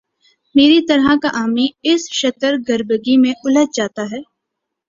میری طرح کا عامی اس شتر گربگی میں الجھ جاتا ہے۔